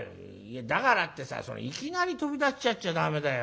だからってさいきなり飛び出しちゃっちゃダメだよ。